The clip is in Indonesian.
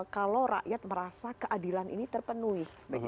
kalau rakyat merasa keadilan ini terpenuhi